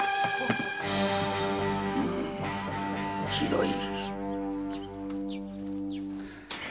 ひどい。